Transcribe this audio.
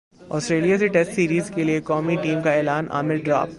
سٹریلیا سے test series کیلئے قومی ٹیم کا اعلان عامر ڈراپ